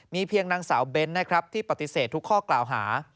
มีเพียงนางสาวเบ้นที่ปฏิเสธทุกข้อกล่าวหา